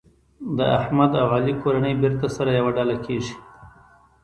د احمد او علي کورنۍ بېرته سره یوه ډله کېږي.